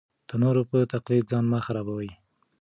د نورو په تقلید ځان مه خرابوئ.